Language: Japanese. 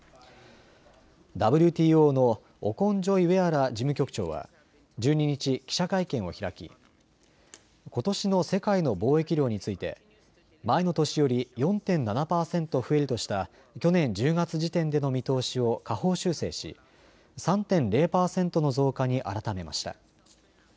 ＷＴＯのオコンジョイウェアラ事務局長は１２日、記者会見を開きことしの世界の貿易量について前の年より４．７％増えるとした去年１０月時点での見通しを下方修正し３．０％の増加に改めました。